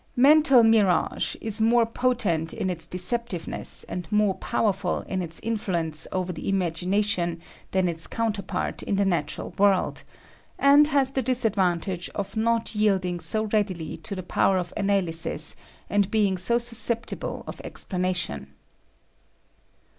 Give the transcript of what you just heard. Mental mirage is more potent in its deceptiveness and I . Original from UNIVERSITY OF WISCONSIN Atraflc. 203 more powerful in its influence over the imag ination than its counterpart in the natural world; and has the disadvantage of not yield ing so readily to the power of analysis and being so susceptible of explanation.